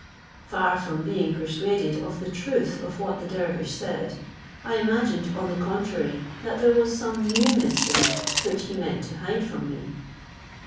Far from being persuaded of the truth of what the dervish said, I imagined, on the contrary, that there was some new mystery, which he meant to hide from me.